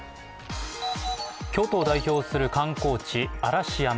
京都を代表する観光地・嵐山。